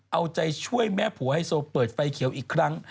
เอาใจช่วยแม่ผัวไฮโซเปิดไฟเขียวอีกครั้ง